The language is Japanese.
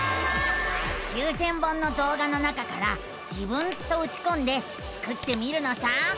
９，０００本のどう画の中から「自分」とうちこんでスクってみるのさ。